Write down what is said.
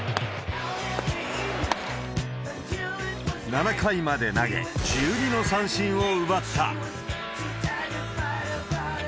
７回まで投げ、１２の三振を奪った。